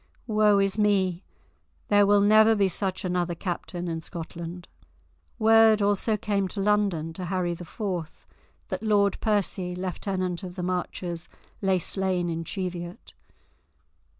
Woe is me; there will never be such another captain in Scotland." Word came also to London, to Harry the Fourth, that Lord Percy, Lieutenant of the Marches, lay slain in Cheviot.